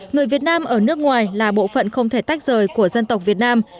người việt nam ở nước ngoài là bộ phận không thể tách rời của dân tộc việt nam